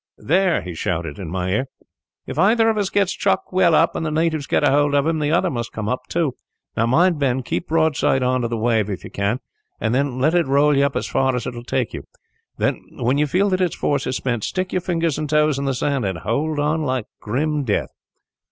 "'There,' he shouted in my ear. 'If either of us gets chucked well up, and the natives get a hold of him, the other must come up, too. Now mind, Ben, keep broadside on to the wave if you can, and let it roll you up as far as it will take you. Then, when you feel that its force is spent, stick your fingers and toes into the sand, and hold on like grim death.'